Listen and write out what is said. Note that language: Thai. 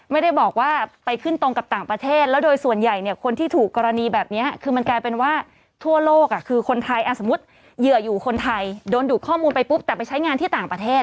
จะผ่วงไปปุ๊บแต่ไปใช้งานที่ต่างประเทศ